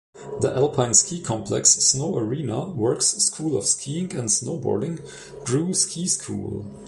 In alpine ski complex Snow Arena works school of skiing and snowboarding DruSkiSchool.